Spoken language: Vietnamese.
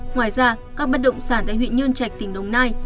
ngoài ra các bất động sản tại huyện nhơn trạch tỉnh đồng nai